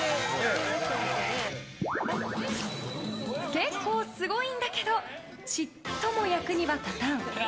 結構すごいんだけどちっとも役には立たん。